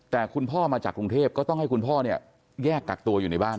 แต่คุณพ่อมาจากกรุงเทพก็ต้องให้คุณพ่อเนี่ยแยกกักตัวอยู่ในบ้าน